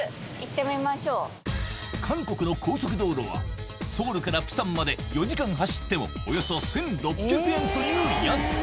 韓国の高速道路はソウルから釜山まで４時間走ってもおよそ１６００円という安さ